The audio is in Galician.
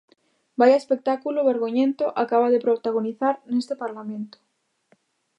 ¡Vaia espectáculo vergoñento acaba de protagonizar neste Parlamento!